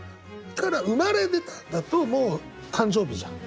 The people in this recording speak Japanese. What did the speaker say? だから「生まれ出た」だともう誕生日じゃん。